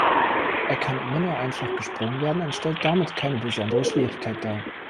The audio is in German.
Er kann immer nur einfach gesprungen werden und stellt damit keine besondere Schwierigkeit dar.